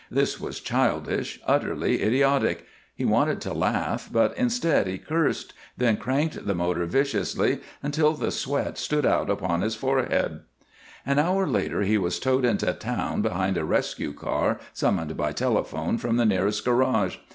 This was childish, utterly idiotic. He wanted to laugh, but instead he cursed, then cranked the motor viciously until the sweat stood out upon his forehead. An hour later he was towed into town behind a rescue car summoned by telephone from the nearest garage.